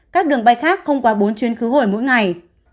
các đường bay khác không quá bốn chuyến khứ hồi mỗi ngày